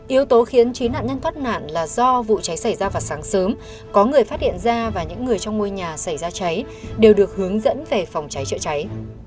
yếu tố khiến chín nạn nhân thoát nạn là do vụ cháy xảy ra vào sáng sớm có người phát hiện ra và những người trong ngôi nhà xảy ra cháy đều được hướng dẫn về phòng cháy chữa cháy